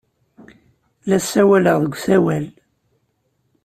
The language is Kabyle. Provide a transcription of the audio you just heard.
La ssawaleɣ deg usawal.